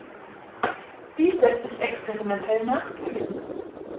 Dies lässt sich experimentell nachprüfen.